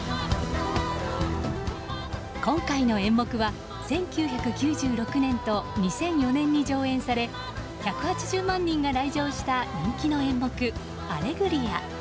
今回の演目は、１９９６年と２００４年に上演され１８０万人が来場した人気の演目「アレグリア」。